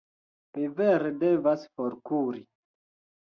Mi vere devas forkuri.